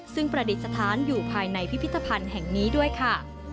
ซึ่งประดิษฐานอยู่ภายในพิพิธภัณฑ์แห่งนี้ด้วยค่ะ